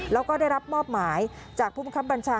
แล้วก็ได้รับมอบหมายจากผู้บังคับบัญชา